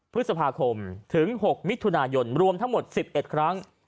พฤษภาคมถึงหกมิตรทุนายนรวมทั้งหมดสิบเอ็ดครั้ง